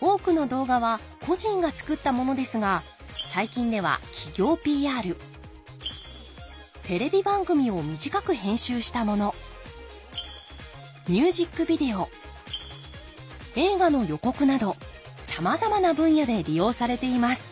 多くの動画は個人が作ったものですが最近では企業ＰＲテレビ番組を短く編集したものミュージックビデオ映画の予告などさまざまな分野で利用されています。